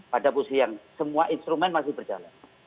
pada posisi yang semua instrumen masih berjalan